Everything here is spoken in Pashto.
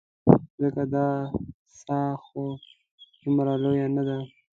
ځکه دا څاه خو دومره لویه نه ده.